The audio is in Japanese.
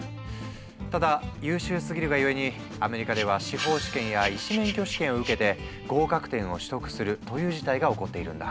ただ優秀すぎるがゆえにアメリカでは司法試験や医師免許試験を受けて合格点を取得するという事態が起こっているんだ。